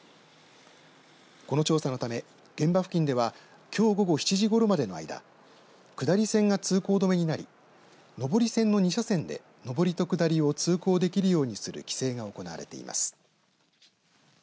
この調査のため現場付近ではきょう午後７時ごろまでの間下り線が通行止めになり上り線の２車線で上りと下りを通行できるようにする規制が行われています。